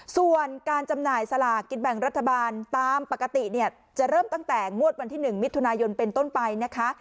ส่วนการจำหน่ายสลากกินแบ่งรัฐบาลตามปกติเนี่ยจะเริ่มตั้งแต่งวดวันที่๑มิถุนายนเป็นต้นไปนะคะ